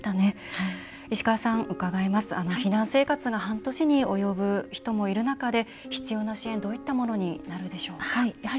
避難生活が半年に及ぶ人がいる中で必要な支援、どういったものになるでしょうか？